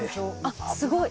あっすごい！